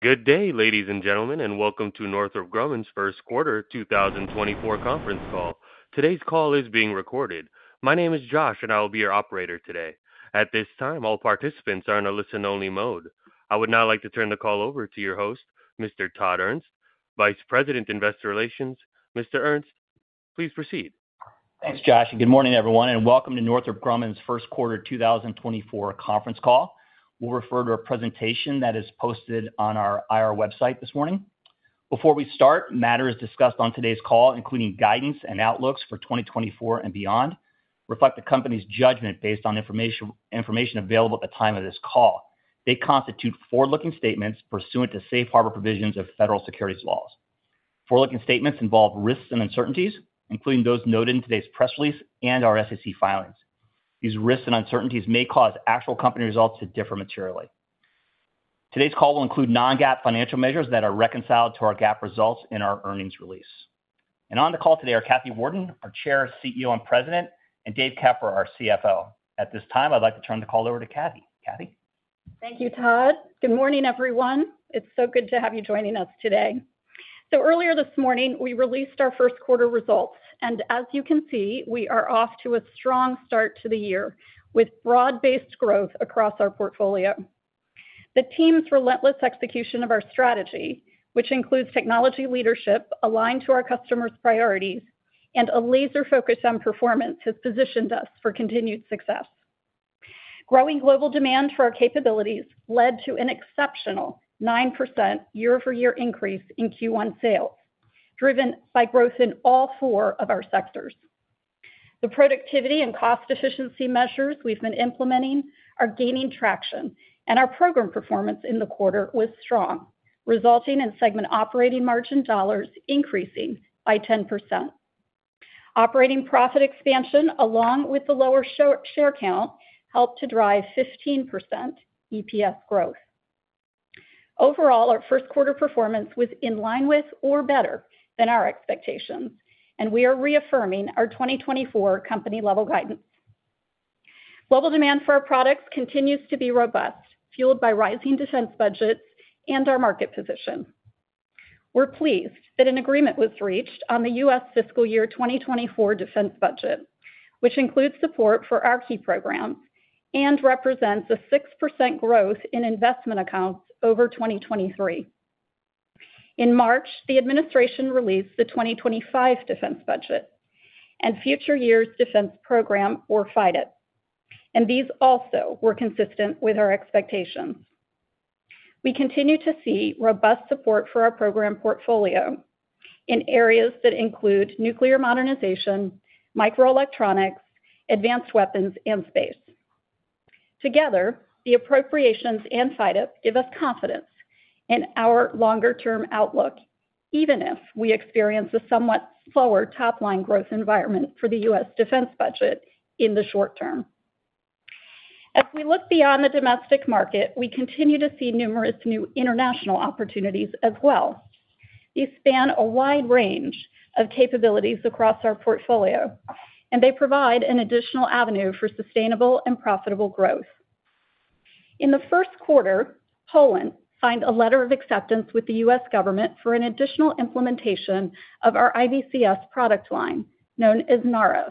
Good day, ladies and gentlemen, and welcome to Northrop Grumman's first quarter 2024 conference call. Today's call is being recorded. My name is Josh, and I will be your operator today. At this time, all participants are in a listen-only mode. I would now like to turn the call over to your host, Mr. Todd Ernst, Vice President, Investor Relations. Mr. Ernst, please proceed. Thanks, Josh, and good morning, everyone, and welcome to Northrop Grumman's first quarter 2024 conference call. We'll refer to a presentation that is posted on our IR website this morning. Before we start, matters discussed on today's call, including guidance and outlooks for 2024 and beyond, reflect the company's judgment based on information available at the time of this call. They constitute forward-looking statements pursuant to safe harbor provisions of federal securities laws. Forward-looking statements involve risks and uncertainties, including those noted in today's press release and our SEC filings. These risks and uncertainties may cause actual company results to differ materially. Today's call will include non-GAAP financial measures that are reconciled to our GAAP results in our earnings release. On the call today are Kathy Warden, our Chair, CEO, and President, and Dave Keffer, our CFO. At this time, I'd like to turn the call over to Kathy. Kathy? Thank you, Todd. Good morning, everyone. It's so good to have you joining us today. Earlier this morning, we released our first quarter results, and as you can see, we are off to a strong start to the year with broad-based growth across our portfolio. The team's relentless execution of our strategy, which includes technology leadership aligned to our customers' priorities and a laser focus on performance, has positioned us for continued success. Growing global demand for our capabilities led to an exceptional 9% year-over-year increase in Q1 sales, driven by growth in all four of our sectors. The productivity and cost efficiency measures we've been implementing are gaining traction, and our program performance in the quarter was strong, resulting in segment operating margin dollars increasing by 10%. Operating profit expansion, along with the lower share count, helped to drive 15% EPS growth. Overall, our first quarter performance was in line with or better than our expectations, and we are reaffirming our 2024 company-level guidance. Global demand for our products continues to be robust, fueled by rising defense budgets and our market position. We're pleased that an agreement was reached on the U.S. fiscal year 2024 defense budget, which includes support for our key programs and represents a 6% growth in investment accounts over 2023. In March, the administration released the 2025 defense budget and Future Years Defense Program, or FYDP, and these also were consistent with our expectations. We continue to see robust support for our program portfolio in areas that include nuclear modernization, microelectronics, advanced weapons, and space. Together, the appropriations and FYDP give us confidence in our longer-term outlook, even if we experience a somewhat slower top-line growth environment for the U.S. defense budget in the short term. As we look beyond the domestic market, we continue to see numerous new international opportunities as well. These span a wide range of capabilities across our portfolio, and they provide an additional avenue for sustainable and profitable growth. In the first quarter, Poland signed a letter of acceptance with the U.S. government for an additional implementation of our IBCS product line known as NAREW.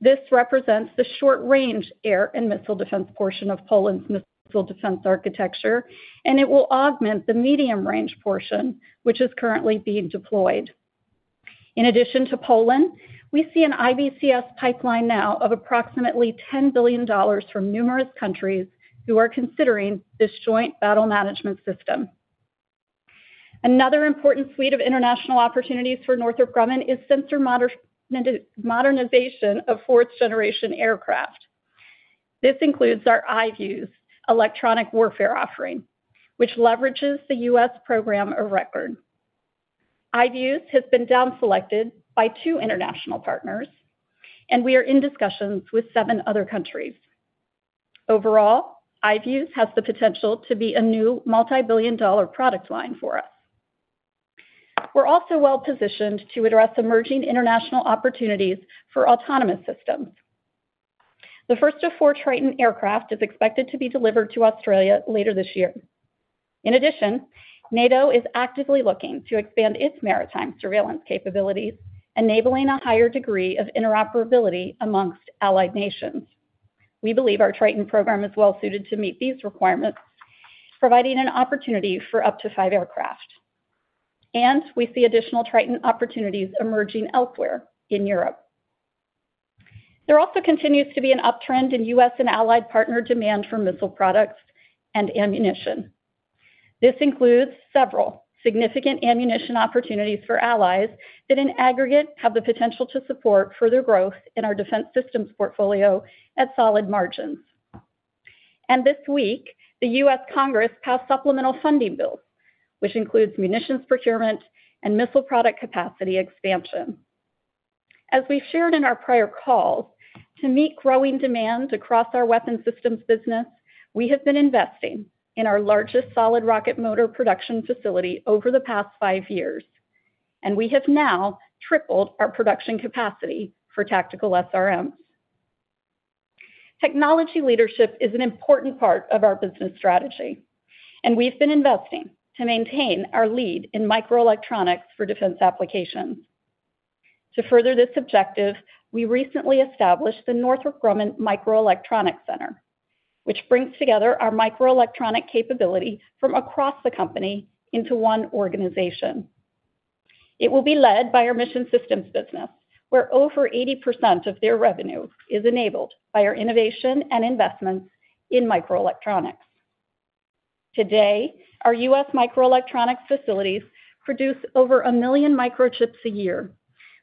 This represents the short-range air and missile defense portion of Poland's missile defense architecture, and it will augment the medium-range portion, which is currently being deployed. In addition to Poland, we see an IBCS pipeline now of approximately $10 billion from numerous countries who are considering this joint battle management system. Another important suite of international opportunities for Northrop Grumman is sensor modernization of fourth-generation aircraft. This includes our IVEWS electronic warfare offering, which leverages the U.S. program of record. IVEWS has been downselected by 2 international partners, and we are in discussions with 7 other countries. Overall, IVEWS has the potential to be a new multi-billion dollar product line for us. We're also well-positioned to address emerging international opportunities for autonomous systems. The first of 4 Triton aircraft is expected to be delivered to Australia later this year. In addition, NATO is actively looking to expand its maritime surveillance capabilities, enabling a higher degree of interoperability among allied nations. We believe our Triton program is well-suited to meet these requirements, providing an opportunity for up to 5 aircraft. We see additional Triton opportunities emerging elsewhere in Europe. There also continues to be an uptrend in U.S. and allied partner demand for missile products and ammunition. This includes several significant ammunition opportunities for allies that, in aggregate, have the potential to support further growth in our defense systems portfolio at solid margins. This week, the U.S. Congress passed supplemental funding bills, which includes munitions procurement and missile product capacity expansion. As we've shared in our prior calls, to meet growing demand across our weapons systems business, we have been investing in our largest solid rocket motor production facility over the past five years, and we have now tripled our production capacity for tactical SRMs. Technology leadership is an important part of our business strategy, and we've been investing to maintain our lead in microelectronics for defense applications. To further this objective, we recently established the Northrop Grumman Microelectronics Center, which brings together our microelectronic capability from across the company into one organization. It will be led by our mission systems business, where over 80% of their revenue is enabled by our innovation and investments in microelectronics. Today, our U.S. microelectronics facilities produce over 1 million microchips a year,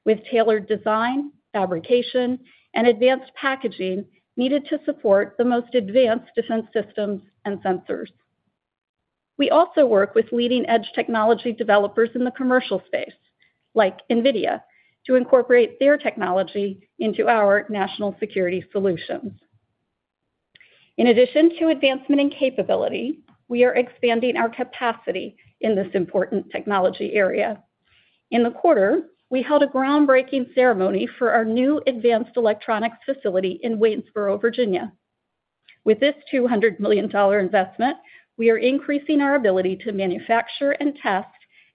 with tailored design, fabrication, and advanced packaging needed to support the most advanced defense systems and sensors. We also work with leading edge technology developers in the commercial space, like NVIDIA, to incorporate their technology into our national security solutions. In addition to advancement in capability, we are expanding our capacity in this important technology area. In the quarter, we held a groundbreaking ceremony for our new advanced electronics facility in Waynesboro, Virginia. With this $200 million investment, we are increasing our ability to manufacture and test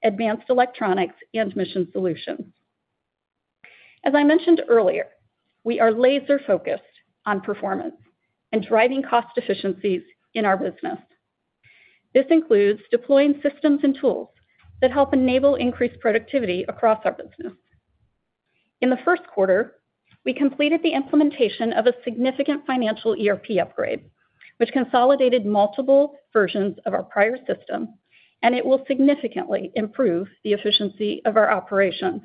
advanced electronics and mission solutions. As I mentioned earlier, we are laser-focused on performance and driving cost efficiencies in our business. This includes deploying systems and tools that help enable increased productivity across our business. In the first quarter, we completed the implementation of a significant financial ERP upgrade, which consolidated multiple versions of our prior system, and it will significantly improve the efficiency of our operations.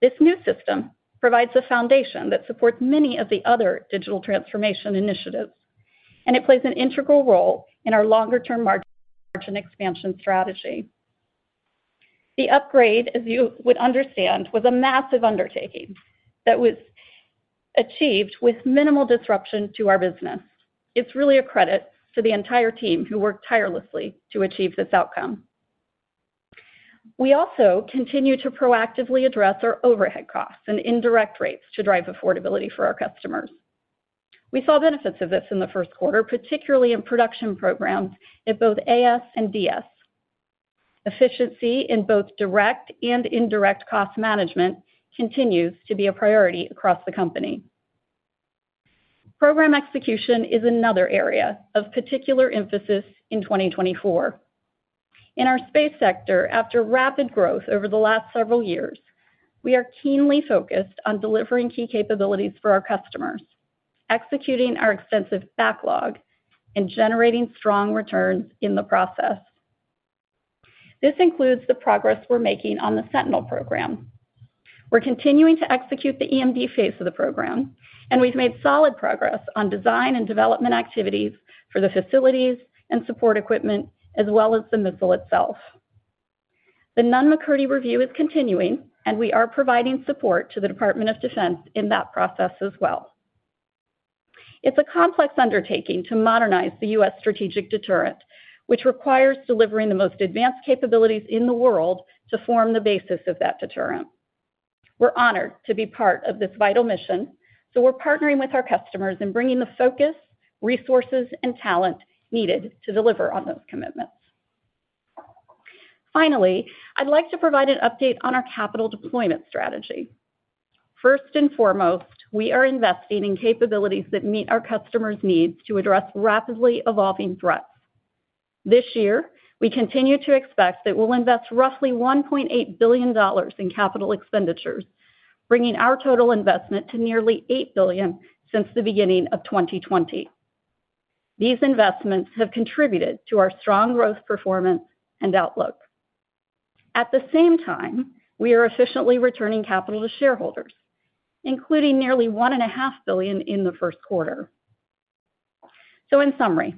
This new system provides a foundation that supports many of the other digital transformation initiatives, and it plays an integral role in our longer-term margin expansion strategy. The upgrade, as you would understand, was a massive undertaking that was achieved with minimal disruption to our business. It's really a credit to the entire team who worked tirelessly to achieve this outcome. We also continue to proactively address our overhead costs and indirect rates to drive affordability for our customers. We saw benefits of this in the first quarter, particularly in production programs at both AS and DS. Efficiency in both direct and indirect cost management continues to be a priority across the company. Program execution is another area of particular emphasis in 2024. In our space sector, after rapid growth over the last several years, we are keenly focused on delivering key capabilities for our customers, executing our extensive backlog, and generating strong returns in the process. This includes the progress we're making on the Sentinel program. We're continuing to execute the EMD phase of the program, and we've made solid progress on design and development activities for the facilities and support equipment, as well as the missile itself. The Nunn-McCurdy review is continuing, and we are providing support to the Department of Defense in that process as well. It's a complex undertaking to modernize the U.S. strategic deterrent, which requires delivering the most advanced capabilities in the world to form the basis of that deterrent. We're honored to be part of this vital mission, so we're partnering with our customers in bringing the focus, resources, and talent needed to deliver on those commitments. Finally, I'd like to provide an update on our capital deployment strategy. First and foremost, we are investing in capabilities that meet our customers' needs to address rapidly evolving threats. This year, we continue to expect that we'll invest roughly $1.8 billion in capital expenditures, bringing our total investment to nearly $8 billion since the beginning of 2020. These investments have contributed to our strong growth performance and outlook. At the same time, we are efficiently returning capital to shareholders, including nearly $1.5 billion in the first quarter. So in summary,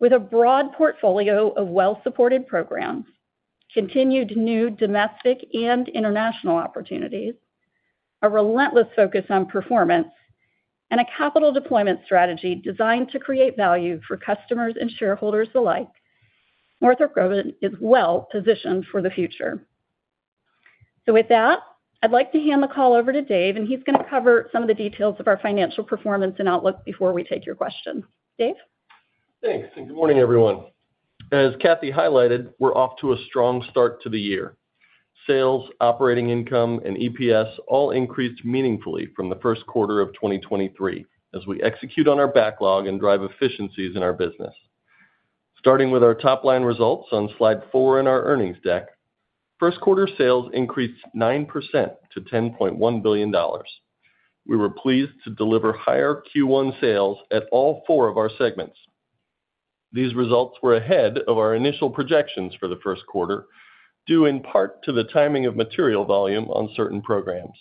with a broad portfolio of well-supported programs, continued new domestic and international opportunities, a relentless focus on performance, and a capital deployment strategy designed to create value for customers and shareholders alike, Northrop Grumman is well-positioned for the future. So with that, I'd like to hand the call over to Dave, and he's going to cover some of the details of our financial performance and outlook before we take your questions. Dave? Thanks. Good morning, everyone. As Kathy highlighted, we're off to a strong start to the year. Sales, operating income, and EPS all increased meaningfully from the first quarter of 2023 as we execute on our backlog and drive efficiencies in our business. Starting with our top-line results on slide four in our earnings deck, first quarter sales increased 9% to $10.1 billion. We were pleased to deliver higher Q1 sales at all four of our segments. These results were ahead of our initial projections for the first quarter, due in part to the timing of material volume on certain programs.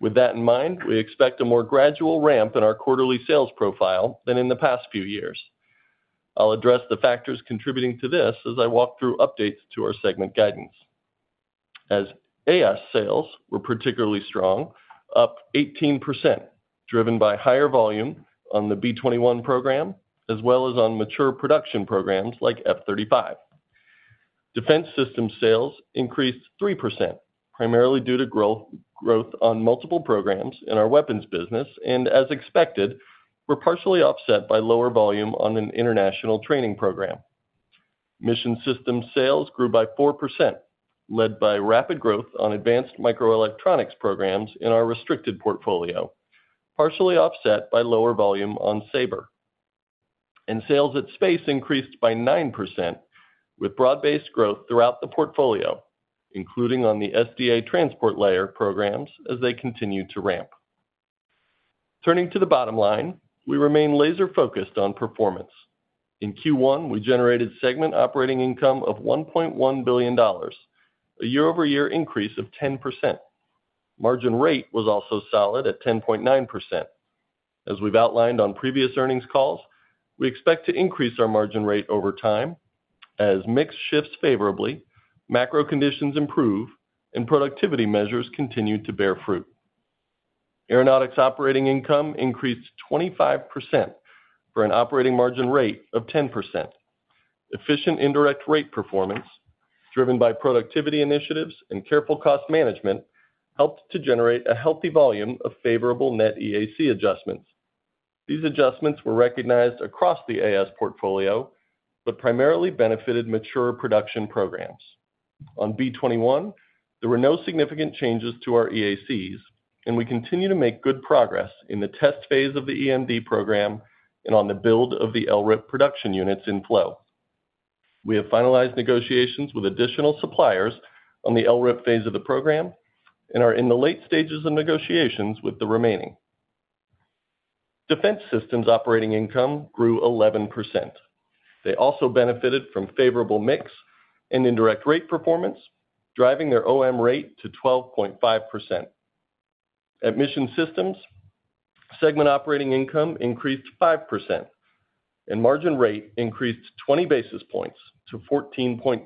With that in mind, we expect a more gradual ramp in our quarterly sales profile than in the past few years. I'll address the factors contributing to this as I walk through updates to our segment guidance. As AS sales were particularly strong, up 18%, driven by higher volume on the B-21 program as well as on mature production programs like F-35. Defense systems sales increased 3%, primarily due to growth on multiple programs in our weapons business and, as expected, were partially offset by lower volume on an international training program. Mission systems sales grew by 4%, led by rapid growth on advanced microelectronics programs in our restricted portfolio, partially offset by lower volume on SABR. And sales at space increased by 9%, with broad-based growth throughout the portfolio, including on the SDA transport layer programs as they continue to ramp. Turning to the bottom line, we remain laser-focused on performance. In Q1, we generated segment operating income of $1.1 billion, a year-over-year increase of 10%. Margin rate was also solid at 10.9%. As we've outlined on previous earnings calls, we expect to increase our margin rate over time as mix shifts favorably, macro conditions improve, and productivity measures continue to bear fruit. Aeronautics operating income increased 25% for an operating margin rate of 10%. Efficient indirect rate performance, driven by productivity initiatives and careful cost management, helped to generate a healthy volume of favorable net EAC adjustments. These adjustments were recognized across the AS portfolio but primarily benefited mature production programs. On B-21, there were no significant changes to our EACs, and we continue to make good progress in the test phase of the EMD program and on the build of the LRIP production units in flow. We have finalized negotiations with additional suppliers on the LRIP phase of the program and are in the late stages of negotiations with the remaining. Defense systems operating income grew 11%. They also benefited from favorable mix and indirect rate performance, driving their OM rate to 12.5%. At mission systems, segment operating income increased 5%, and margin rate increased 20 basis points to 14.2%.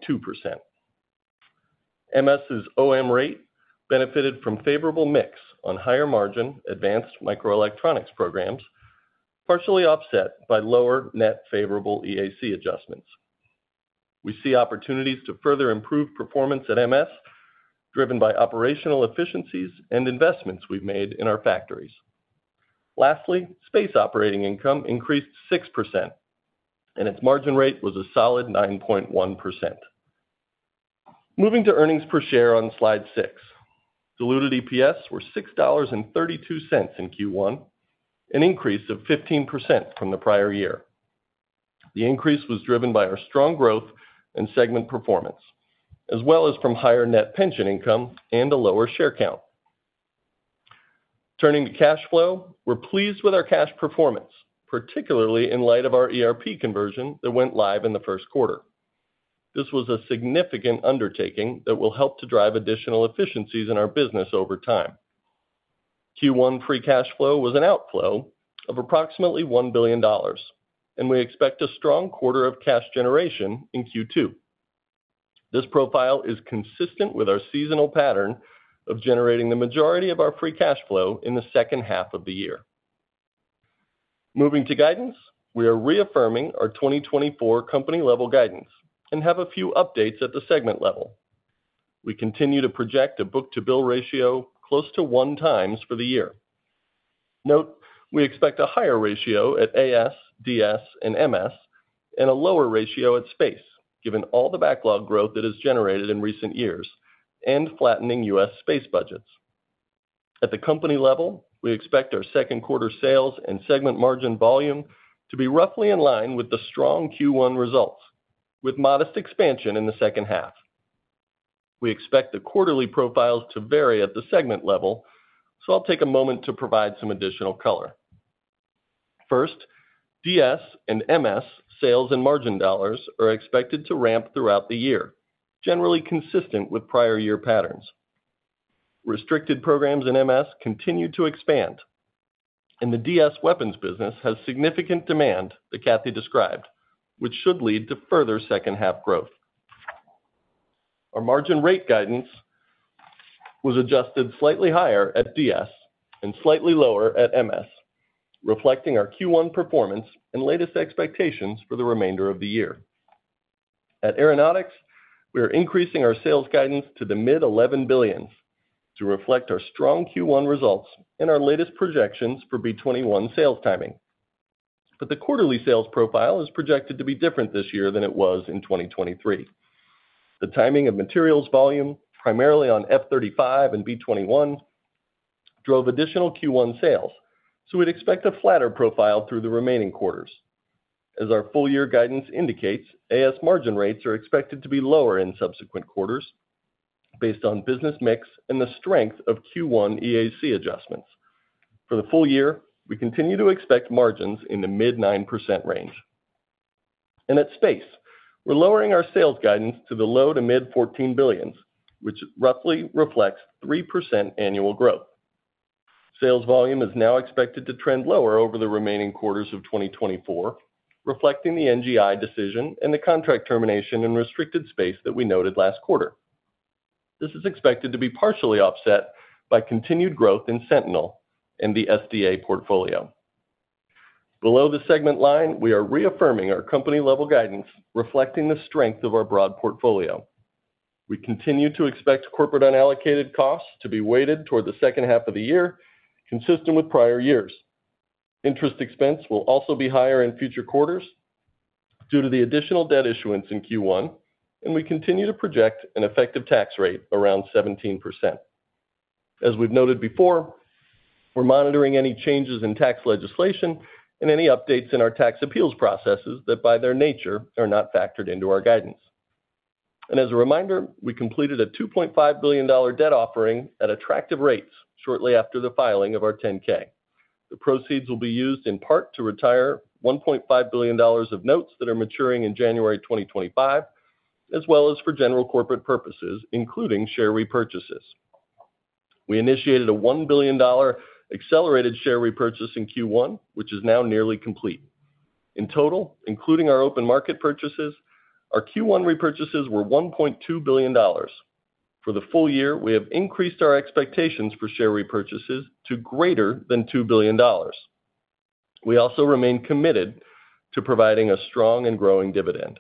MS's OM rate benefited from favorable mix on higher margin advanced microelectronics programs, partially offset by lower net favorable EAC adjustments. We see opportunities to further improve performance at MS, driven by operational efficiencies and investments we've made in our factories. Lastly, space operating income increased 6%, and its margin rate was a solid 9.1%. Moving to earnings per share on slide six, diluted EPS were $6.32 in Q1, an increase of 15% from the prior year. The increase was driven by our strong growth and segment performance, as well as from higher net pension income and a lower share count. Turning to cash flow, we're pleased with our cash performance, particularly in light of our ERP conversion that went live in the first quarter. This was a significant undertaking that will help to drive additional efficiencies in our business over time. Q1 free cash flow was an outflow of approximately $1 billion, and we expect a strong quarter of cash generation in Q2. This profile is consistent with our seasonal pattern of generating the majority of our free cash flow in the second half of the year. Moving to guidance, we are reaffirming our 2024 company-level guidance and have a few updates at the segment level. We continue to project a book-to-bill ratio close to one times for the year. Note, we expect a higher ratio at AS, DS, and MS, and a lower ratio at space, given all the backlog growth that has generated in recent years and flattening U.S. space budgets. At the company level, we expect our second quarter sales and segment margin volume to be roughly in line with the strong Q1 results, with modest expansion in the second half. We expect the quarterly profiles to vary at the segment level, so I'll take a moment to provide some additional color. First, DS and MS sales and margin dollars are expected to ramp throughout the year, generally consistent with prior year patterns. Restricted programs in MS continue to expand, and the DS weapons business has significant demand that Kathy described, which should lead to further second-half growth. Our margin rate guidance was adjusted slightly higher at DS and slightly lower at MS, reflecting our Q1 performance and latest expectations for the remainder of the year. At aeronautics, we are increasing our sales guidance to the mid-$11 billion to reflect our strong Q1 results and our latest projections for B-21 sales timing. But the quarterly sales profile is projected to be different this year than it was in 2023. The timing of materials volume, primarily on F-35 and B-21, drove additional Q1 sales, so we'd expect a flatter profile through the remaining quarters. As our full-year guidance indicates, AS margin rates are expected to be lower in subsequent quarters, based on business mix and the strength of Q1 EAC adjustments. For the full year, we continue to expect margins in the mid-9% range. At Space, we're lowering our sales guidance to the low- to mid-$14 billion, which roughly reflects 3% annual growth. Sales volume is now expected to trend lower over the remaining quarters of 2024, reflecting the NGI decision and the contract termination in restricted space that we noted last quarter. This is expected to be partially offset by continued growth in Sentinel and the SDA portfolio. Below the segment line, we are reaffirming our company-level guidance, reflecting the strength of our broad portfolio. We continue to expect corporate unallocated costs to be weighted toward the second half of the year, consistent with prior years. Interest expense will also be higher in future quarters due to the additional debt issuance in Q1, and we continue to project an effective tax rate around 17%. As we've noted before, we're monitoring any changes in tax legislation and any updates in our tax appeals processes that, by their nature, are not factored into our guidance. As a reminder, we completed a $2.5 billion debt offering at attractive rates shortly after the filing of our 10-K. The proceeds will be used in part to retire $1.5 billion of notes that are maturing in January 2025, as well as for general corporate purposes, including share repurchases. We initiated a $1 billion accelerated share repurchase in Q1, which is now nearly complete. In total, including our open market purchases, our Q1 repurchases were $1.2 billion. For the full year, we have increased our expectations for share repurchases to greater than $2 billion. We also remain committed to providing a strong and growing dividend.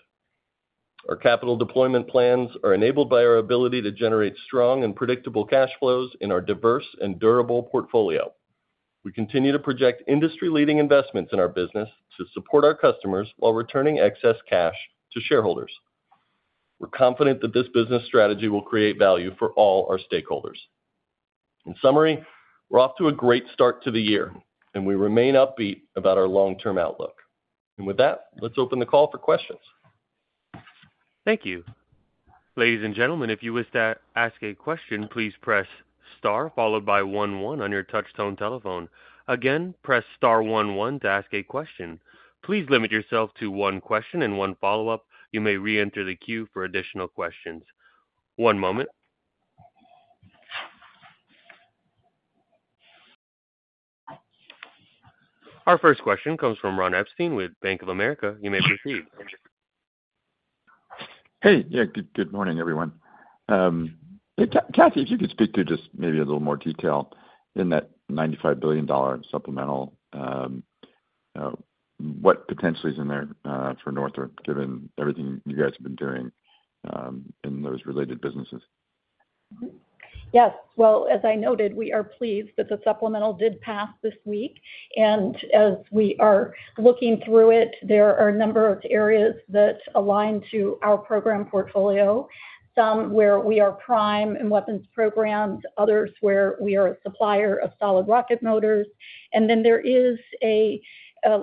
Our capital deployment plans are enabled by our ability to generate strong and predictable cash flows in our diverse and durable portfolio. We continue to project industry-leading investments in our business to support our customers while returning excess cash to shareholders. We're confident that this business strategy will create value for all our stakeholders. In summary, we're off to a great start to the year, and we remain upbeat about our long-term outlook. With that, let's open the call for questions. Thank you. Ladies and gentlemen, if you wish to ask a question, please press star followed by one one on your touch-tone telephone. Again, press star one one to ask a question. Please limit yourself to one question and one follow-up. You may reenter the queue for additional questions. One moment. Our first question comes from Ron Epstein with Bank of America. You may proceed. Hey. Yeah. Good morning, everyone. Kathy, if you could speak to just maybe a little more detail in that $95 billion supplemental, what potentially is in there for Northrop, given everything you guys have been doing in those related businesses? Yes. Well, as I noted, we are pleased that the supplemental did pass this week. As we are looking through it, there are a number of areas that align to our program portfolio, some where we are prime in weapons programs, others where we are a supplier of solid rocket motors. Then there is a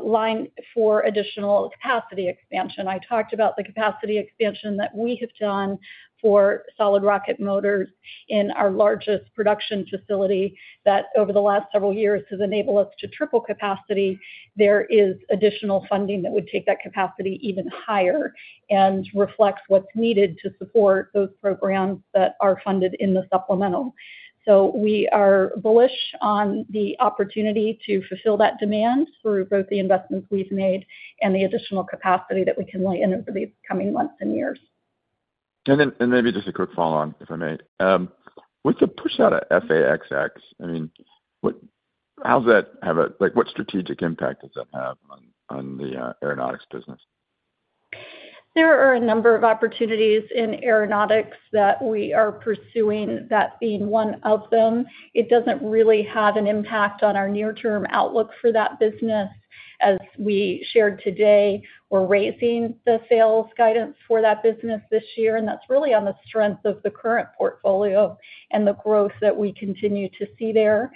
line for additional capacity expansion. I talked about the capacity expansion that we have done for solid rocket motors in our largest production facility that, over the last several years, has enabled us to triple capacity. There is additional funding that would take that capacity even higher and reflects what's needed to support those programs that are funded in the supplemental. We are bullish on the opportunity to fulfill that demand through both the investments we've made and the additional capacity that we can lay in over the coming months and years. Maybe just a quick follow-on, if I may. With the push out of FA-XX, I mean, what strategic impact does that have on the Aeronautics business? There are a number of opportunities in aeronautics that we are pursuing, that being one of them. It doesn't really have an impact on our near-term outlook for that business. As we shared today, we're raising the sales guidance for that business this year, and that's really on the strength of the current portfolio and the growth that we continue to see there.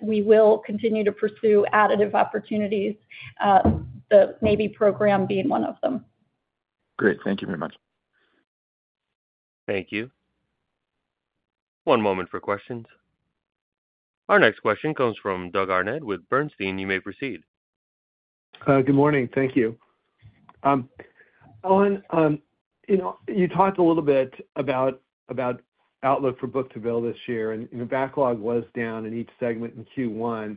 We will continue to pursue additive opportunities, the Navy program being one of them. Great. Thank you very much. Thank you. One moment for questions. Our next question comes from Doug Harned with Bernstein. You may proceed. Good morning. Thank you. Owen, you talked a little bit about outlook for book-to-bill this year, and the backlog was down in each segment in Q1.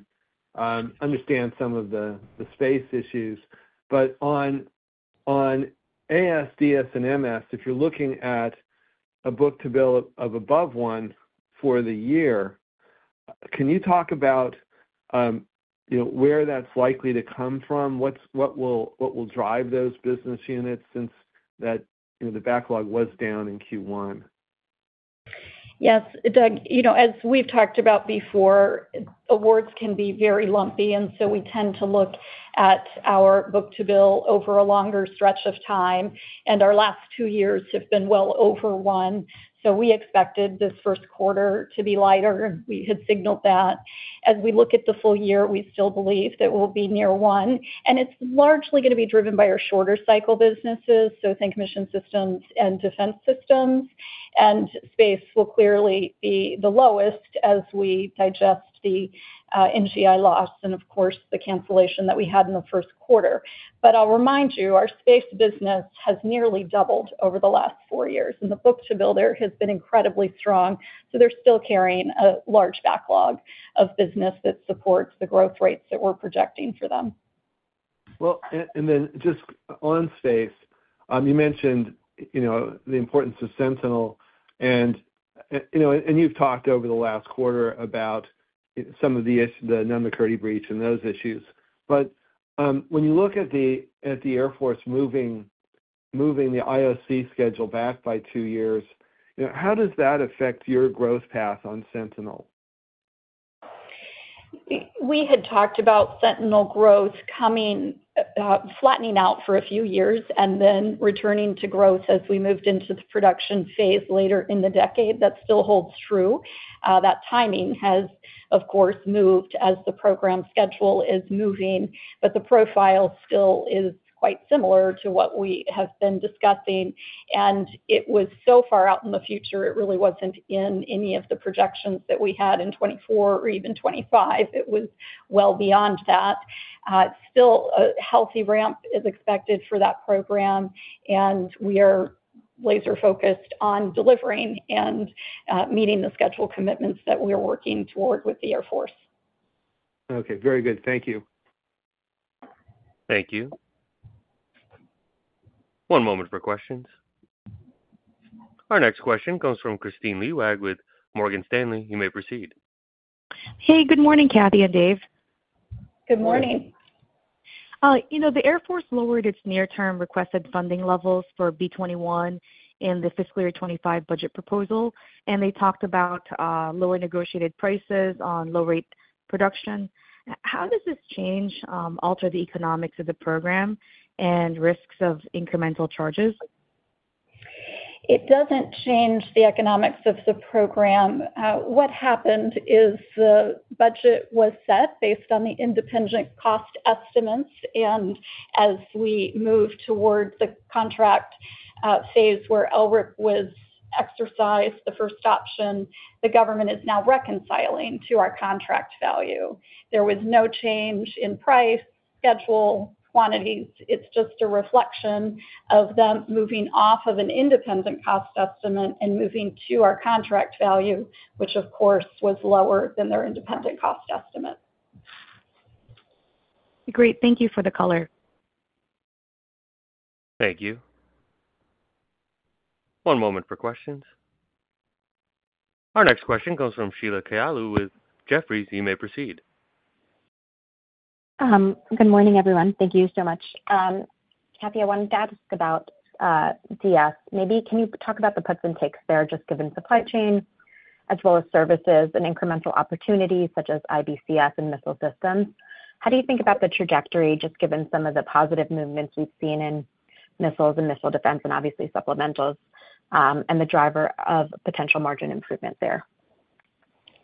I understand some of the space issues. But on AS, DS, and MS, if you're looking at a book-to-bill of above one for the year, can you talk about where that's likely to come from? What will drive those business units since the backlog was down in Q1? Yes, Doug. As we've talked about before, awards can be very lumpy, and so we tend to look at our book-to-bill over a longer stretch of time. Our last two years have been well over one. So we expected this first quarter to be lighter, and we had signaled that. As we look at the full year, we still believe that we'll be near one. And it's largely going to be driven by our shorter cycle businesses, so think mission systems and defense systems. And space will clearly be the lowest as we digest the NGI loss and, of course, the cancellation that we had in the first quarter. But I'll remind you, our space business has nearly doubled over the last four years, and the book-to-bill there has been incredibly strong. They're still carrying a large backlog of business that supports the growth rates that we're projecting for them. Well, and then just on space, you mentioned the importance of Sentinel, and you've talked over the last quarter about some of the Nunn-McCurdy breach and those issues. But when you look at the Air Force moving the IOC schedule back by two years, how does that affect your growth path on Sentinel? We had talked about Sentinel growth flattening out for a few years and then returning to growth as we moved into the production phase later in the decade. That still holds true. That timing has, of course, moved as the program schedule is moving, but the profile still is quite similar to what we have been discussing. It was so far out in the future, it really wasn't in any of the projections that we had in 2024 or even 2025. It was well beyond that. Still, a healthy ramp is expected for that program, and we are laser-focused on delivering and meeting the schedule commitments that we're working toward with the Air Force. Okay. Very good. Thank you. Thank you. One moment for questions. Our next question comes from Kristine Liwag with Morgan Stanley. You may proceed. Hey. Good morning, Kathy and Dave. Good morning. The Air Force lowered its near-term requested funding levels for B-21 in the fiscal year 2025 budget proposal, and they talked about lower negotiated prices on low-rate production. How does this change alter the economics of the program and risks of incremental charges? It doesn't change the economics of the program. What happened is the budget was set based on the independent cost estimates, and as we moved toward the contract phase where LRIP was exercised the first option, the government is now reconciling to our contract value. There was no change in price, schedule, quantities. It's just a reflection of them moving off of an independent cost estimate and moving to our contract value, which, of course, was lower than their independent cost estimate. Great. Thank you for the color. Thank you. One moment for questions. Our next question comes from Sheila Kahyaoglu with Jefferies. You may proceed. Good morning, everyone. Thank you so much. Kathy, I wanted to ask about DS. Maybe can you talk about the puts and takes there, just given supply chain as well as services and incremental opportunities such as IBCS and missile systems? How do you think about the trajectory, just given some of the positive movements we've seen in missiles and missile defense and obviously supplementals, and the driver of potential margin improvement there?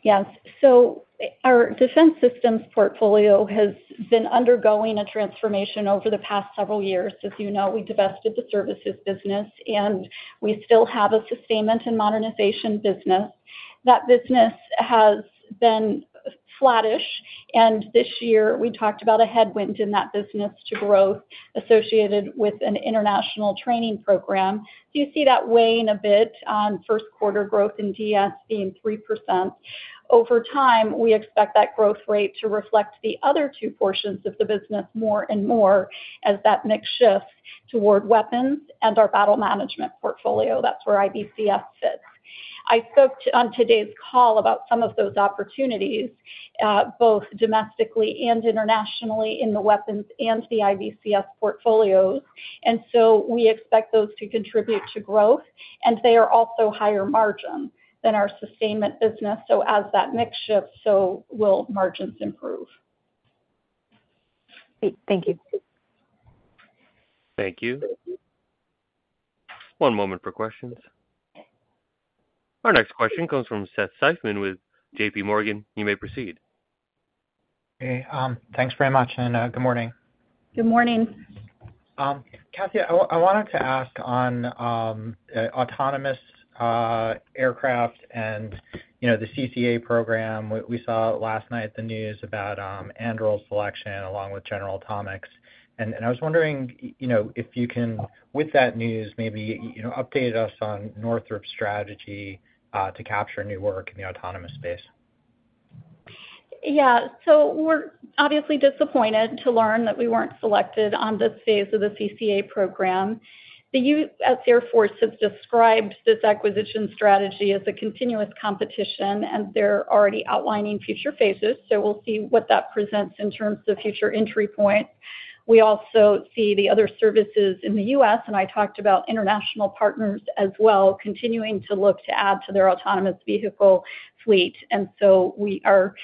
Yes. So our defense systems portfolio has been undergoing a transformation over the past several years. As you know, we divested the services business, and we still have a sustainment and modernization business. That business has been flattish, and this year, we talked about a headwind in that business to growth associated with an international training program. So you see that weighing a bit on first-quarter growth in DS being 3%. Over time, we expect that growth rate to reflect the other two portions of the business more and more as that mix shifts toward weapons and our battle management portfolio. That's where IBCS fits. I spoke on today's call about some of those opportunities, both domestically and internationally, in the weapons and the IBCS portfolios. And so we expect those to contribute to growth, and they are also higher margin than our sustainment business. As that mix shifts, so will margins improve. Great. Thank you. Thank you. One moment for questions. Our next question comes from Seth Seifman with JPMorgan. You may proceed. Okay. Thanks very much, and good morning. Good morning. Kathy, I wanted to ask on autonomous aircraft and the CCA program. We saw last night the news about Anduril selection along with General Atomics. I was wondering if you can, with that news, maybe update us on Northrop's strategy to capture new work in the autonomous space. Yeah. So we're obviously disappointed to learn that we weren't selected on this phase of the CCA program. The U.S. Air Force has described this acquisition strategy as a continuous competition, and they're already outlining future phases. So we'll see what that presents in terms of future entry points. We also see the other services in the U.S., and I talked about international partners as well continuing to look to add to their autonomous vehicle fleet. And so we are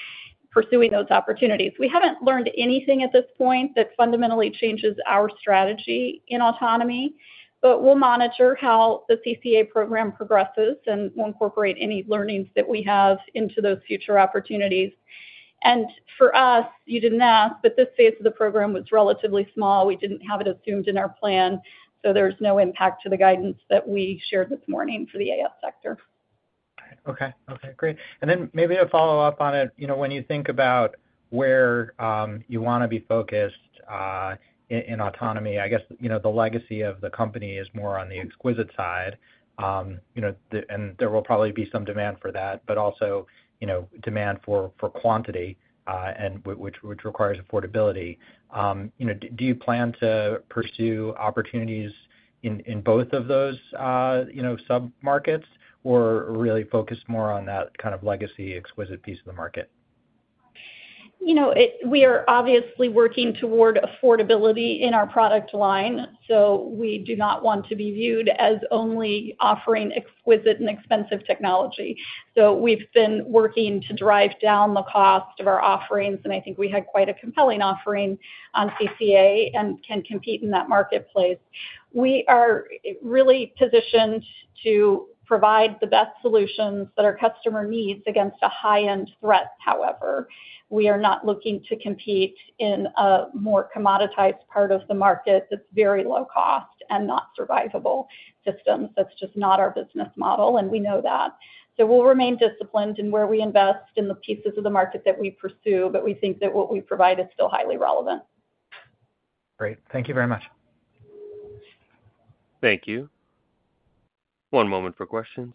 pursuing those opportunities. We haven't learned anything at this point that fundamentally changes our strategy in autonomy, but we'll monitor how the CCA program progresses and we'll incorporate any learnings that we have into those future opportunities. And for us, you didn't ask, but this phase of the program was relatively small. We didn't have it assumed in our plan, so there's no impact to the guidance that we shared this morning for the AS sector. Okay. Okay. Great. And then maybe a follow-up on it. When you think about where you want to be focused in autonomy, I guess the legacy of the company is more on the exquisite side, and there will probably be some demand for that, but also demand for quantity, which requires affordability. Do you plan to pursue opportunities in both of those sub-markets or really focus more on that kind of legacy exquisite piece of the market? We are obviously working toward affordability in our product line, so we do not want to be viewed as only offering exquisite and expensive technology. So we've been working to drive down the cost of our offerings, and I think we had quite a compelling offering on CCA and can compete in that marketplace. We are really positioned to provide the best solutions that our customer needs against a high-end threat. However, we are not looking to compete in a more commoditized part of the market that's very low-cost and not survivable systems. That's just not our business model, and we know that. So we'll remain disciplined in where we invest in the pieces of the market that we pursue, but we think that what we provide is still highly relevant. Great. Thank you very much. Thank you. One moment for questions.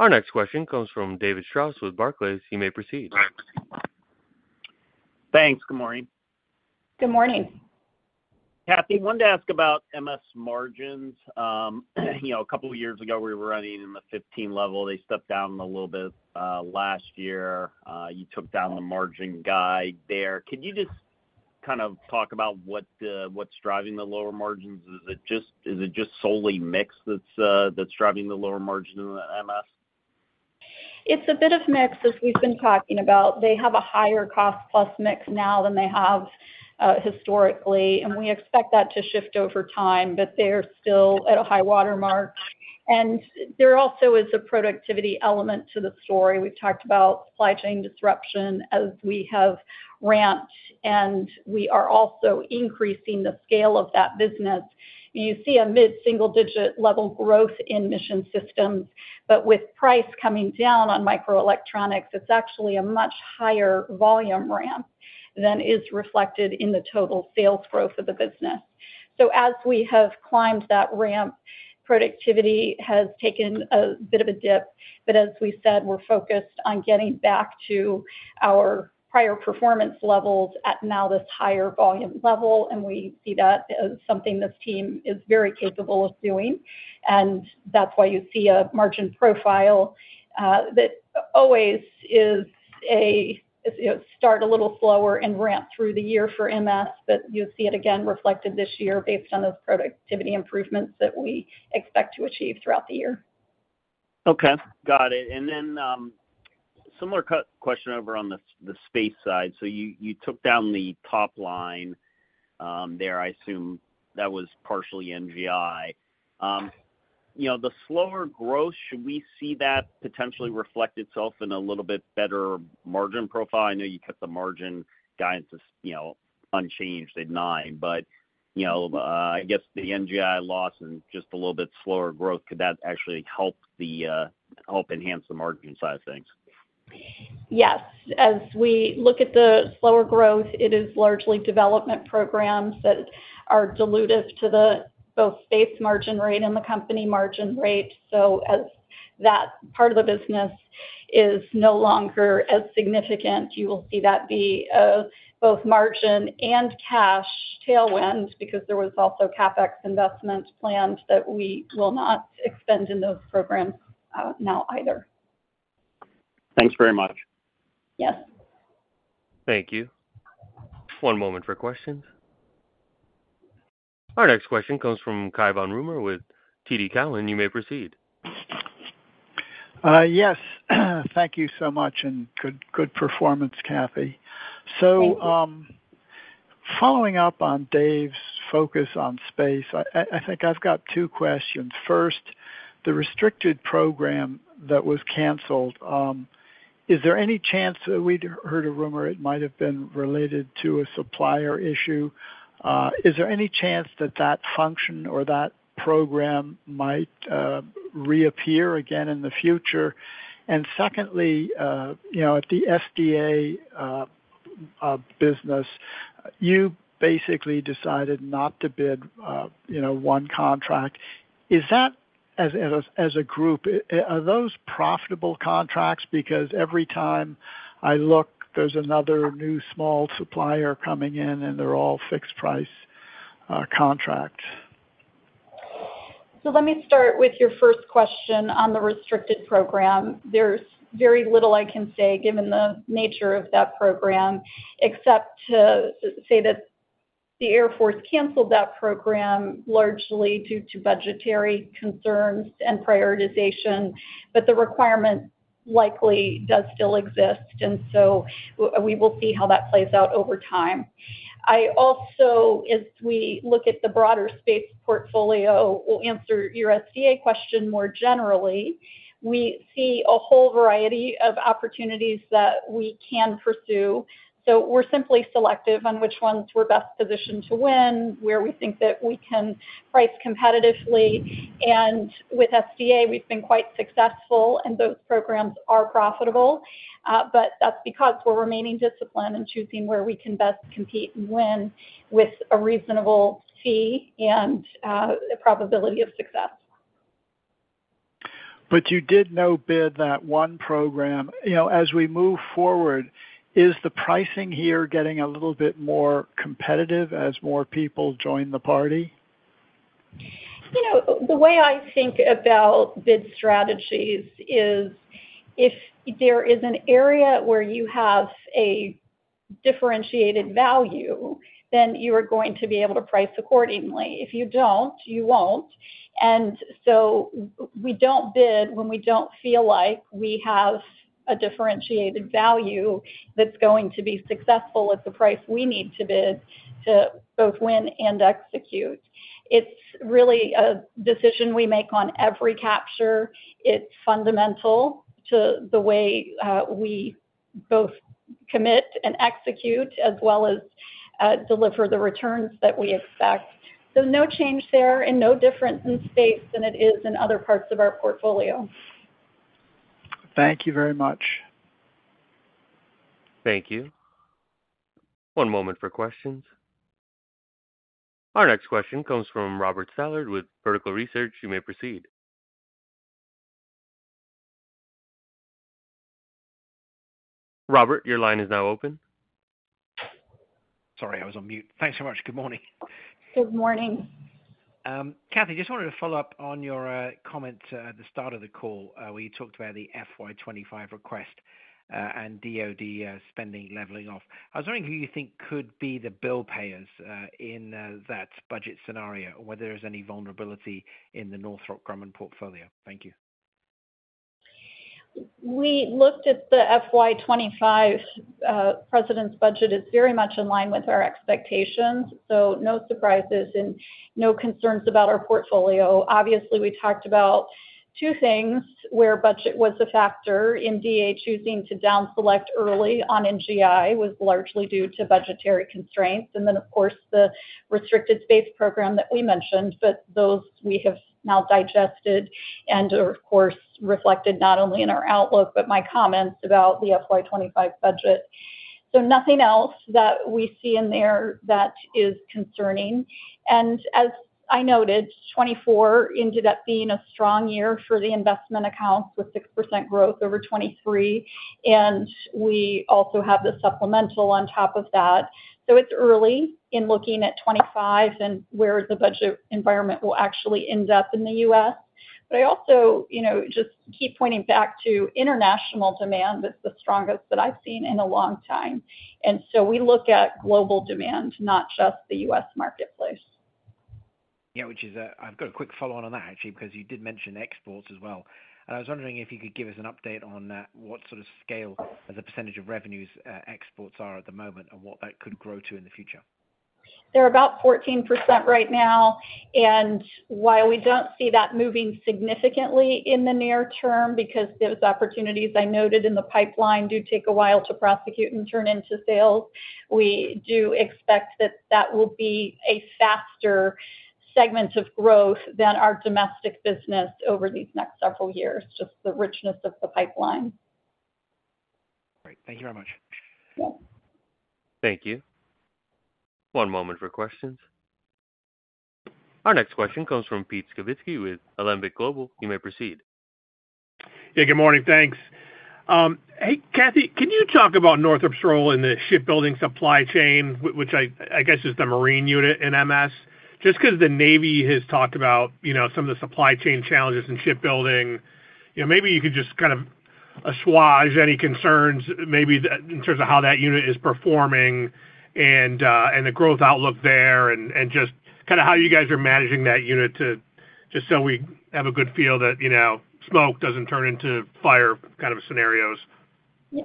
Our next question comes from David Strauss with Barclays. You may proceed. Thanks. Good morning. Good morning. Kathy, I wanted to ask about MS margins. A couple of years ago, we were running in the 15 level. They stepped down a little bit last year. You took down the margin guide there. Could you just kind of talk about what's driving the lower margins? Is it just solely mix that's driving the lower margin in the MS? It's a bit of a mix as we've been talking about. They have a higher cost-plus mix now than they have historically, and we expect that to shift over time, but they're still at a high watermark. There also is a productivity element to the story. We've talked about supply chain disruption as we have ramped, and we are also increasing the scale of that business. You see a mid-single-digit level growth in mission systems, but with price coming down on microelectronics, it's actually a much higher volume ramp than is reflected in the total sales growth of the business. So as we have climbed that ramp, productivity has taken a bit of a dip. As we said, we're focused on getting back to our prior performance levels at now this higher volume level, and we see that as something this team is very capable of doing. That's why you see a margin profile that always starts a little slower and ramps through the year for MS, but you'll see it again reflected this year based on those productivity improvements that we expect to achieve throughout the year. Okay. Got it. And then similar question over on the space side. So you took down the top line there. I assume that was partially NGI. The slower growth, should we see that potentially reflect itself in a little bit better margin profile? I know you kept the margin guidance unchanged at 9%, but I guess the NGI loss and just a little bit slower growth, could that actually help enhance the margin size of things? Yes. As we look at the slower growth, it is largely development programs that are dilutive to both space margin rate and the company margin rate. So as that part of the business is no longer as significant, you will see that be both margin and cash tailwind because there was also CapEx investment planned that we will not expend in those programs now either. Thanks very much. Yes. Thank you. One moment for questions. Our next question comes from Cai von Rumohr with TD Cowen. You may proceed. Yes. Thank you so much and good performance, Kathy. So following up on Dave's focus on space, I think I've got two questions. First, the restricted program that was canceled, is there any chance we'd heard a rumor it might have been related to a supplier issue? Is there any chance that that function or that program might reappear again in the future? And secondly, at the SDA business, you basically decided not to bid one contract. Is that as a group, are those profitable contracts? Because every time I look, there's another new small supplier coming in, and they're all fixed-price contracts. Let me start with your first question on the restricted program. There's very little I can say given the nature of that program, except to say that the Air Force canceled that program largely due to budgetary concerns and prioritization, but the requirement likely does still exist, and so we will see how that plays out over time. Also, as we look at the broader space portfolio, we'll answer your SDA question more generally. We see a whole variety of opportunities that we can pursue. We're simply selective on which ones we're best positioned to win, where we think that we can price competitively. With SDA, we've been quite successful, and those programs are profitable. That's because we're remaining disciplined and choosing where we can best compete and win with a reasonable fee and probability of success. But you did not bid that one program. As we move forward, is the pricing here getting a little bit more competitive as more people join the party? The way I think about bid strategies is if there is an area where you have a differentiated value, then you are going to be able to price accordingly. If you don't, you won't. And so we don't bid when we don't feel like we have a differentiated value that's going to be successful at the price we need to bid to both win and execute. It's really a decision we make on every capture. It's fundamental to the way we both commit and execute as well as deliver the returns that we expect. So no change there and no different in space than it is in other parts of our portfolio. Thank you very much. Thank you. One moment for questions. Our next question comes from Robert Stallard with Vertical Research. You may proceed. Robert, your line is now open. Sorry, I was on mute. Thanks so much. Good morning. Good morning. Kathy, just wanted to follow up on your comment at the start of the call where you talked about the FY 2025 request and DoD spending leveling off. I was wondering who you think could be the billpayers in that budget scenario, whether there's any vulnerability in the Northrop Grumman portfolio? Thank you. We looked at the FY 2025 president's budget. It's very much in line with our expectations, so no surprises and no concerns about our portfolio. Obviously, we talked about two things where budget was a factor in DA choosing to downselect early on NGI was largely due to budgetary constraints. And then, of course, the restricted space program that we mentioned, but those we have now digested and, of course, reflected not only in our outlook but my comments about the FY 2025 budget. So nothing else that we see in there that is concerning. And as I noted, 2024 ended up being a strong year for the investment accounts with 6% growth over 2023, and we also have the supplemental on top of that. So it's early in looking at 2025 and where the budget environment will actually end up in the U.S. I also just keep pointing back to international demand that's the strongest that I've seen in a long time. So we look at global demand, not just the U.S. marketplace. Yeah, which is, I've got a quick follow-on on that, actually, because you did mention exports as well. I was wondering if you could give us an update on what sort of scale as a percentage of revenues exports are at the moment and what that could grow to in the future. They're about 14% right now. And while we don't see that moving significantly in the near term because those opportunities I noted in the pipeline do take a while to prosecute and turn into sales, we do expect that that will be a faster segment of growth than our domestic business over these next several years, just the richness of the pipeline. Great. Thank you very much. Thank you. One moment for questions. Our next question comes from Peter Skibitski with Alembic Global. You may proceed. Yeah. Good morning. Thanks. Hey, Kathy, can you talk about Northrop's role in the shipbuilding supply chain, which I guess is the marine unit in MS? Just because the Navy has talked about some of the supply chain challenges in shipbuilding, maybe you could just kind of assuage any concerns maybe in terms of how that unit is performing and the growth outlook there and just kind of how you guys are managing that unit just so we have a good feel that smoke doesn't turn into fire kind of scenarios.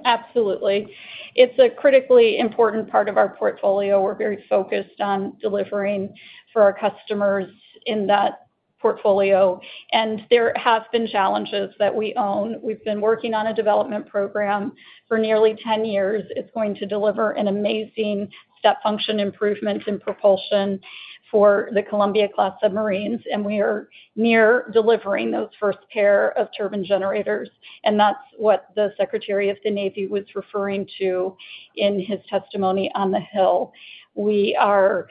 Absolutely. It's a critically important part of our portfolio. We're very focused on delivering for our customers in that portfolio. There have been challenges that we own. We've been working on a development program for nearly 10 years. It's going to deliver an amazing step function improvement in propulsion for the Columbia-class submarines, and we are near delivering those first pair of turbine generators. That's what the Secretary of the Navy was referring to in his testimony on the Hill. We are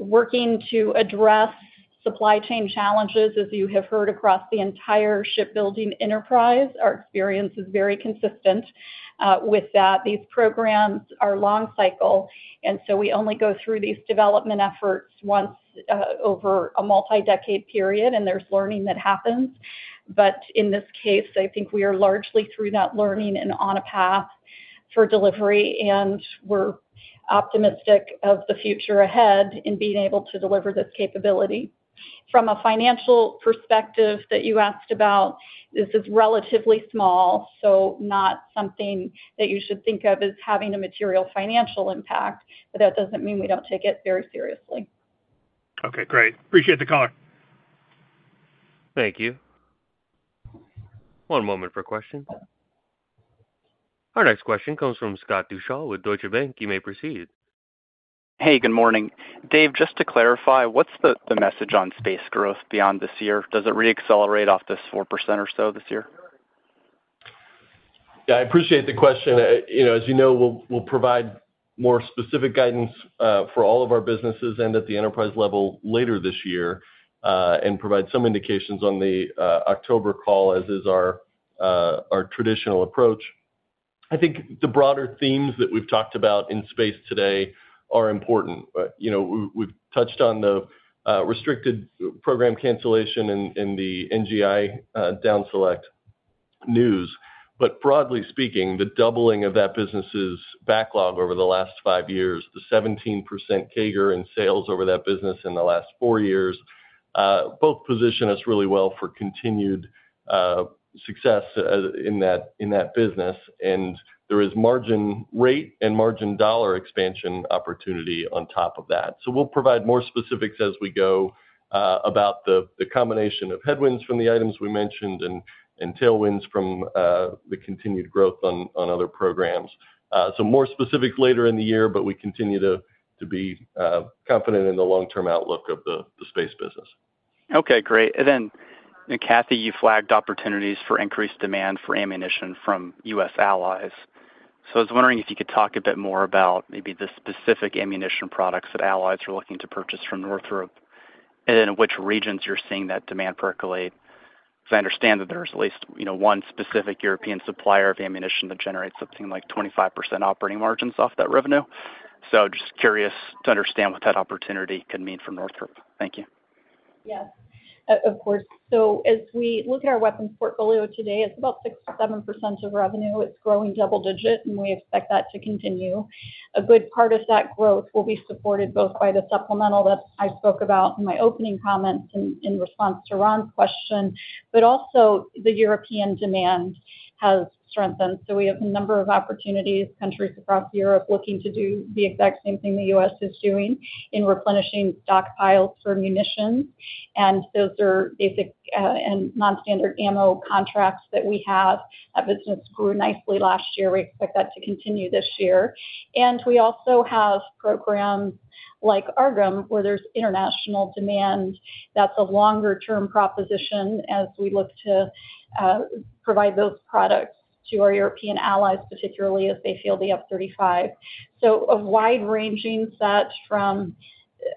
working to address supply chain challenges, as you have heard, across the entire shipbuilding enterprise. Our experience is very consistent with that. These programs are long-cycle, and so we only go through these development efforts once over a multi-decade period, and there's learning that happens. But in this case, I think we are largely through that learning and on a path for delivery, and we're optimistic of the future ahead in being able to deliver this capability. From a financial perspective that you asked about, this is relatively small, so not something that you should think of as having a material financial impact, but that doesn't mean we don't take it very seriously. Okay. Great. Appreciate the caller. Thank you. One moment for questions. Our next question comes from Scott Deuschle with Deutsche Bank. You may proceed. Hey. Good morning. Dave, just to clarify, what's the message on space growth beyond this year? Does it reaccelerate off this 4% or so this year? Yeah. I appreciate the question. As you know, we'll provide more specific guidance for all of our businesses and at the enterprise level later this year and provide some indications on the October call as is our traditional approach. I think the broader themes that we've talked about in space today are important. We've touched on the restricted program cancellation and the NGI downselect news. But broadly speaking, the doubling of that business's backlog over the last 5 years, the 17% CAGR in sales over that business in the last 4 years, both position us really well for continued success in that business. And there is margin rate and margin dollar expansion opportunity on top of that. So we'll provide more specifics as we go about the combination of headwinds from the items we mentioned and tailwinds from the continued growth on other programs. More specifics later in the year, but we continue to be confident in the long-term outlook of the space business. Okay. Great. And then, Kathy, you flagged opportunities for increased demand for ammunition from U.S. allies. So I was wondering if you could talk a bit more about maybe the specific ammunition products that allies are looking to purchase from Northrop and in which regions you're seeing that demand percolate. Because I understand that there's at least one specific European supplier of ammunition that generates something like 25% operating margins off that revenue. So just curious to understand what that opportunity could mean for Northrop. Thank you. Yes, of course. So as we look at our weapons portfolio today, it's about 6%-7% of revenue. It's growing double-digit, and we expect that to continue. A good part of that growth will be supported both by the supplemental that I spoke about in my opening comments in response to Ron's question, but also the European demand has strengthened. So we have a number of opportunities, countries across Europe looking to do the exact same thing the U.S. is doing in replenishing stockpiles for munitions. And those are basic and non-standard ammo contracts that we have. That business grew nicely last year. We expect that to continue this year. And we also have programs like AARGM where there's international demand. That's a longer-term proposition as we look to provide those products to our European allies, particularly as they field the F-35. A wide-ranging set from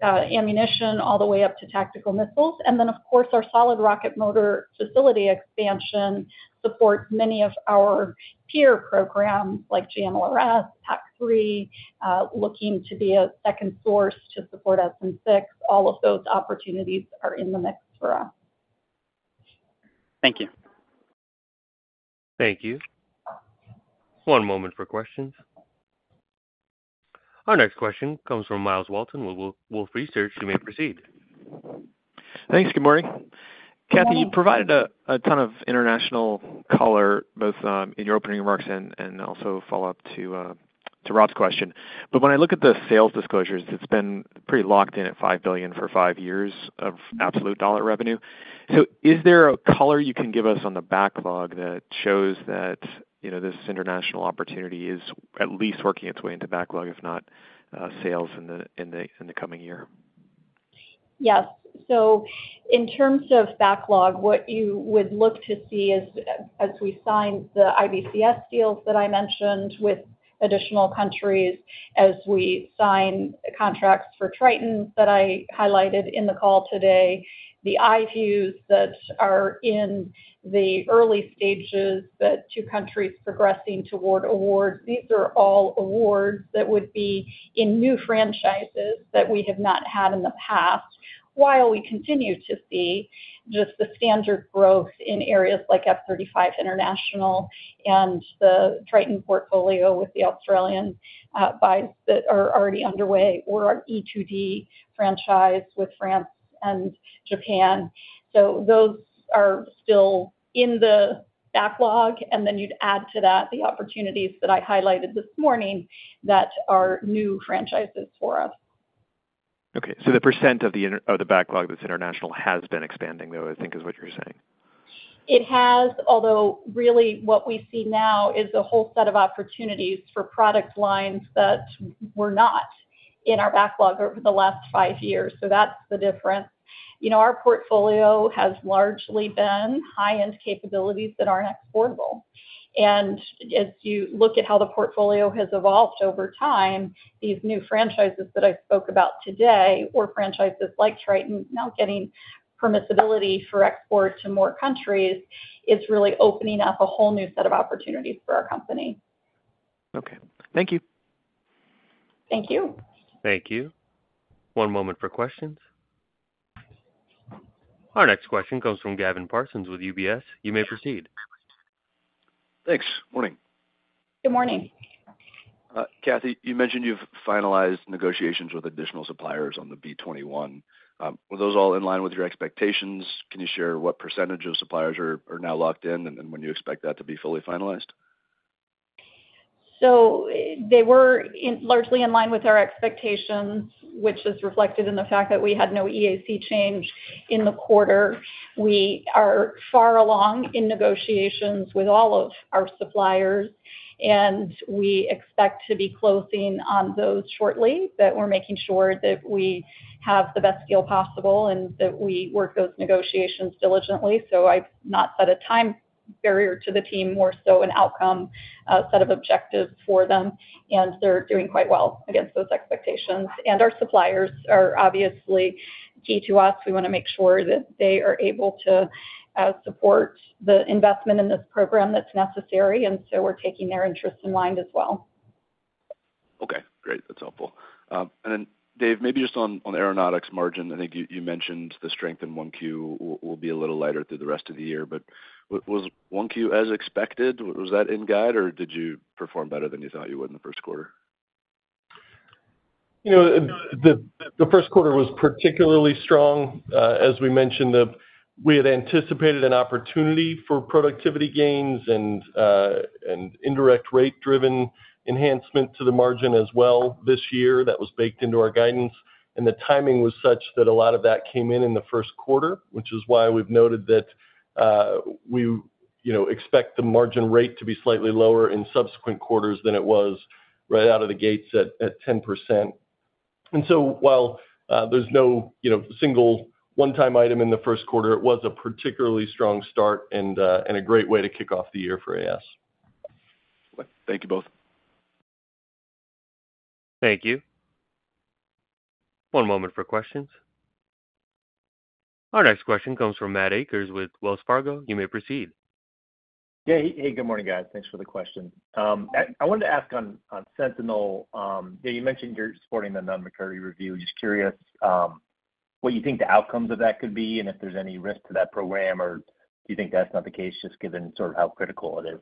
ammunition all the way up to tactical missiles. Then, of course, our solid rocket motor facility expansion supports many of our peer programs like GMLRS, PAC-3, looking to be a second source to support SM-6. All of those opportunities are in the mix for us. Thank you. Thank you. One moment for questions. Our next question comes from Myles Walton with Wolfe Research. You may proceed. Thanks. Good morning. Kathy, you provided a ton of international color both in your opening remarks and also follow-up to Rob's question. But when I look at the sales disclosures, it's been pretty locked in at $5 billion for five years of absolute dollar revenue. So is there a color you can give us on the backlog that shows that this international opportunity is at least working its way into backlog, if not sales, in the coming year? Yes. In terms of backlog, what you would look to see is as we sign the IBCS deals that I mentioned with additional countries, as we sign contracts for Triton that I highlighted in the call today, the IVEWS that are in the early stages, the two countries progressing toward awards, these are all awards that would be in new franchises that we have not had in the past while we continue to see just the standard growth in areas like F-35 International and the Triton portfolio with the Australian buys that are already underway or our E-2D franchise with France and Japan. Those are still in the backlog. Then you'd add to that the opportunities that I highlighted this morning that are new franchises for us. Okay. So the percent of the backlog that's international has been expanding, though, I think, is what you're saying. It has, although really what we see now is a whole set of opportunities for product lines that were not in our backlog over the last five years. That's the difference. Our portfolio has largely been high-end capabilities that aren't exportable. As you look at how the portfolio has evolved over time, these new franchises that I spoke about today or franchises like Triton now getting permissibility for export to more countries is really opening up a whole new set of opportunities for our company. Okay. Thank you. Thank you. Thank you. One moment for questions. Our next question comes from Gavin Parsons with UBS. You may proceed. Thanks. Good morning. Good morning. Kathy, you mentioned you've finalized negotiations with additional suppliers on the B-21. Were those all in line with your expectations? Can you share what percentage of suppliers are now locked in and when you expect that to be fully finalized? So they were largely in line with our expectations, which is reflected in the fact that we had no EAC change in the quarter. We are far along in negotiations with all of our suppliers, and we expect to be closing on those shortly, but we're making sure that we have the best deal possible and that we work those negotiations diligently. So I've not set a time barrier to the team, more so an outcome set of objectives for them, and they're doing quite well against those expectations. And our suppliers are obviously key to us. We want to make sure that they are able to support the investment in this program that's necessary. And so we're taking their interests in mind as well. Okay. Great. That's helpful. And then, Dave, maybe just on the Aeronautics margin, I think you mentioned the strength in 1Q will be a little lighter through the rest of the year. But was 1Q as expected? Was that in guide, or did you perform better than you thought you would in the first quarter? The first quarter was particularly strong. As we mentioned, we had anticipated an opportunity for productivity gains and indirect rate-driven enhancement to the margin as well this year. That was baked into our guidance. And the timing was such that a lot of that came in in the first quarter, which is why we've noted that we expect the margin rate to be slightly lower in subsequent quarters than it was right out of the gates at 10%. And so while there's no single one-time item in the first quarter, it was a particularly strong start and a great way to kick off the year for AS. Thank you both. Thank you. One moment for questions. Our next question comes from Matt Akers with Wells Fargo. You may proceed. Yeah. Hey. Good morning, guys. Thanks for the question. I wanted to ask on Sentinel. Yeah. You mentioned you're supporting the Nunn-McCurdy review. Just curious what you think the outcomes of that could be and if there's any risk to that program, or do you think that's not the case just given sort of how critical it is?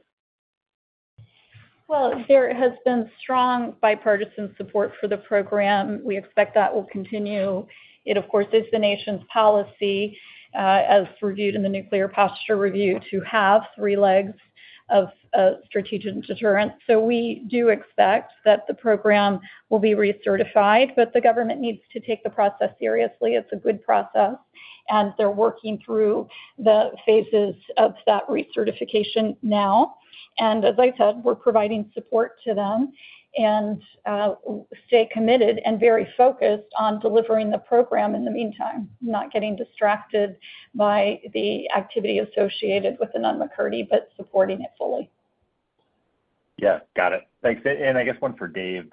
Well, there has been strong bipartisan support for the program. We expect that will continue. It, of course, is the nation's policy, as reviewed in the Nuclear Posture Review, to have three legs of strategic deterrence. So we do expect that the program will be recertified, but the government needs to take the process seriously. It's a good process, and they're working through the phases of that recertification now. And as I said, we're providing support to them and stay committed and very focused on delivering the program in the meantime, not getting distracted by the activity associated with the Nunn-McCurdy, but supporting it fully. Yeah. Got it. Thanks. And I guess one for Dave,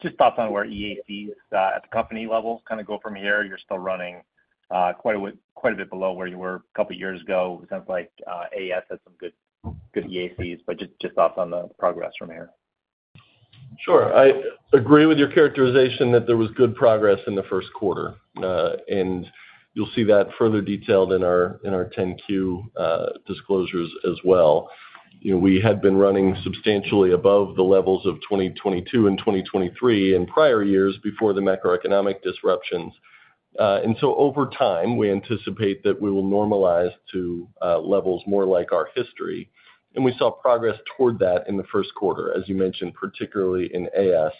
just thoughts on where EACs at the company level kind of go from here. You're still running quite a bit below where you were a couple of years ago. It sounds like AS has some good EACs, but just thoughts on the progress from here. Sure. I agree with your characterization that there was good progress in the first quarter, and you'll see that further detailed in our 10-Q disclosures as well. We had been running substantially above the levels of 2022 and 2023 in prior years before the macroeconomic disruptions. And so over time, we anticipate that we will normalize to levels more like our history. And we saw progress toward that in the first quarter, as you mentioned, particularly in AS.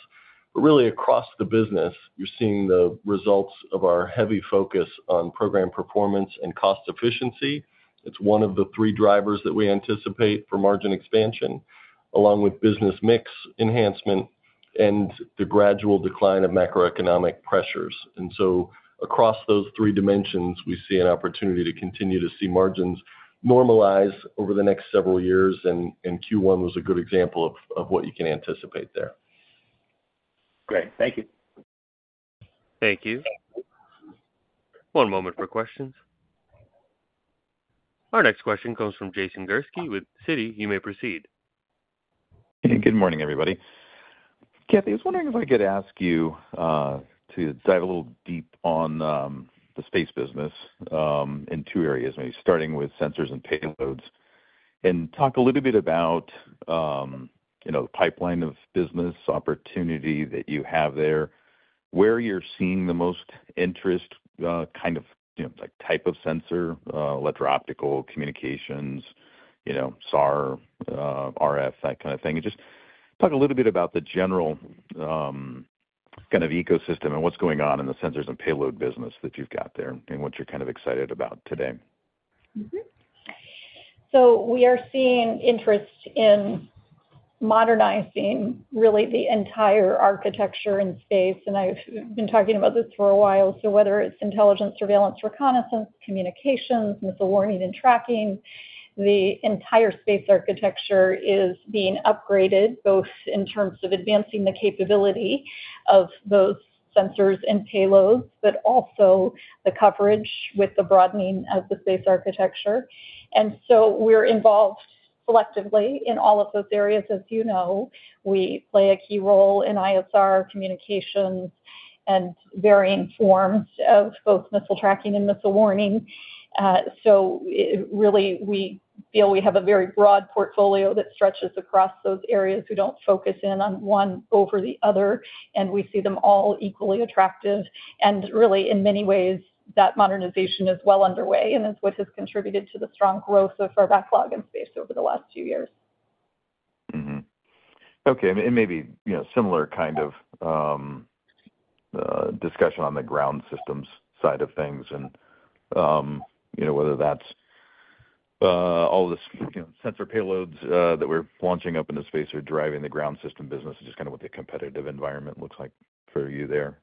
But really, across the business, you're seeing the results of our heavy focus on program performance and cost efficiency. It's one of the three drivers that we anticipate for margin expansion, along with business mix enhancement and the gradual decline of macroeconomic pressures. And so across those three dimensions, we see an opportunity to continue to see margins normalize over the next several years. Q1 was a good example of what you can anticipate there. Great. Thank you. Thank you. One moment for questions. Our next question comes from Jason Gursky with Citi. You may proceed. Hey. Good morning, everybody. Kathy, I was wondering if I could ask you to dive a little deep on the space business in two areas, maybe starting with sensors and payloads, and talk a little bit about the pipeline of business opportunity that you have there, where you're seeing the most interest kind of type of sensor, electro-optical, communications, SAR, RF, that kind of thing. Just talk a little bit about the general kind of ecosystem and what's going on in the sensors and payload business that you've got there and what you're kind of excited about today. So we are seeing interest in modernizing, really, the entire architecture in space. And I've been talking about this for a while. So whether it's intelligence surveillance, reconnaissance, communications, missile warning, and tracking, the entire space architecture is being upgraded both in terms of advancing the capability of those sensors and payloads, but also the coverage with the broadening of the space architecture. And so we're involved selectively in all of those areas. As you know, we play a key role in ISR, communications, and varying forms of both missile tracking and missile warning. So really, we feel we have a very broad portfolio that stretches across those areas. We don't focus in on one over the other, and we see them all equally attractive. Really, in many ways, that modernization is well underway and is what has contributed to the strong growth of our backlog in space over the last few years. Okay. And maybe similar kind of discussion on the ground systems side of things and whether that's all of the sensor payloads that we're launching up into space are driving the ground system business, just kind of what the competitive environment looks like for you there.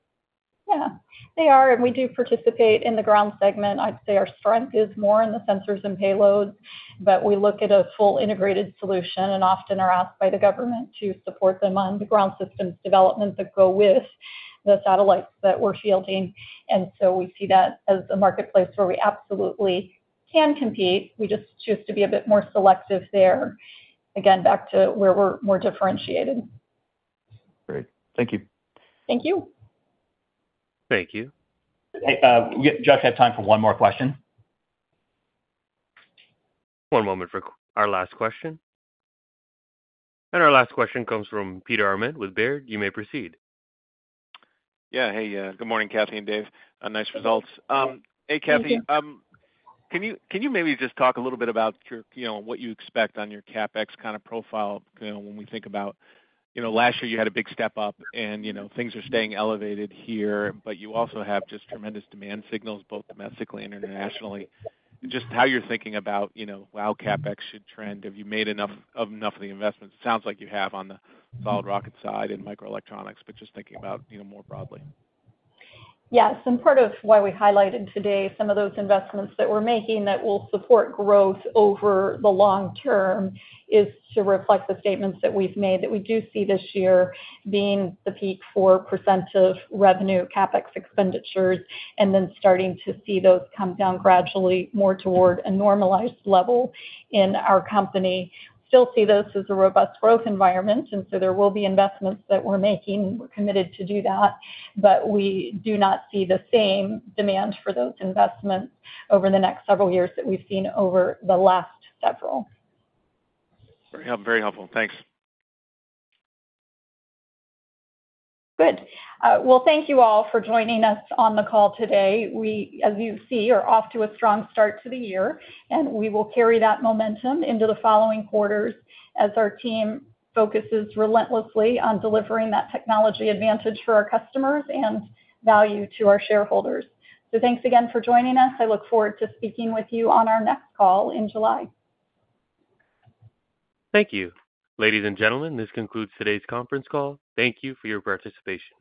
Yeah. They are. And we do participate in the ground segment. I'd say our strength is more in the sensors and payloads, but we look at a full integrated solution and often are asked by the government to support them on the ground systems development that go with the satellites that we're fielding. And so we see that as a marketplace where we absolutely can compete. We just choose to be a bit more selective there. Again, back to where we're more differentiated. Great. Thank you. Thank you. Thank you. Josh, I have time for one more question. One moment for our last question. Our last question comes from Peter Arment with Baird. You may proceed. Yeah. Hey. Good morning, Kathy and Dave. Nice results. Hey, Kathy, can you maybe just talk a little bit about what you expect on your CapEx kind of profile when we think about last year, you had a big step up, and things are staying elevated here, but you also have just tremendous demand signals both domestically and internationally. Just how you're thinking about, "Wow, CapEx should trend. Have you made enough of enough of the investments?" It sounds like you have on the solid rocket side and microelectronics, but just thinking about more broadly. Yes. And part of why we highlighted today some of those investments that we're making that will support growth over the long term is to reflect the statements that we've made that we do see this year being the peak for percent of revenue CapEx expenditures and then starting to see those come down gradually more toward a normalized level in our company. We still see this as a robust growth environment, and so there will be investments that we're making, and we're committed to do that. But we do not see the same demand for those investments over the next several years that we've seen over the last several. Very helpful. Thanks. Good. Well, thank you all for joining us on the call today. We, as you see, are off to a strong start to the year, and we will carry that momentum into the following quarters as our team focuses relentlessly on delivering that technology advantage for our customers and value to our shareholders. So thanks again for joining us. I look forward to speaking with you on our next call in July. Thank you. Ladies and gentlemen, this concludes today's conference call. Thank you for your participation.